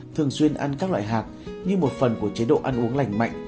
thường xuyên ăn các loại hạt như một phần của chế độ ăn uống lành mạnh